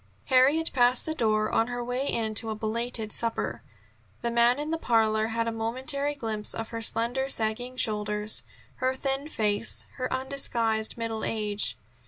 Harriet passed the door on her way in to a belated supper. The man in the parlor had a momentary glimpse of her slender, sagging shoulders, her thin face, her undisguised middle age.